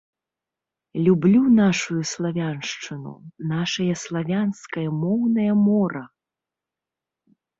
Люблю нашую славяншчыну, нашае славянскае моўнае мора!